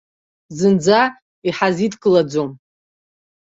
Зынӡа иҳазидкылаӡом.